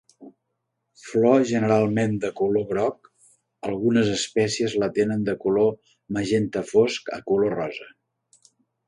Flor generalment de color groc, algunes espècies la tenen de color magenta fosc a color rosa.